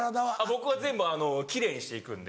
僕は全部奇麗にしていくんで。